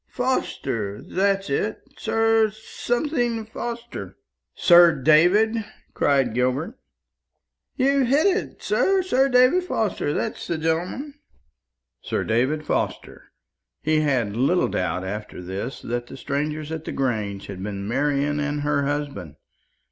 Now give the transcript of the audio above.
Forster that's it Sir something Forster." "Sir David?" cried Gilbert. "You've hit it, sir. Sir David Forster that's the gentleman." Sir David Forster! He had little doubt after this that the strangers at the Grange had been Marian and her husband.